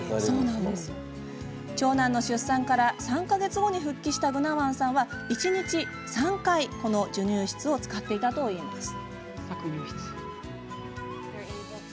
長男の出産から３か月後に復帰したグナワンさんは一日３回、搾乳室を使っていたといいます。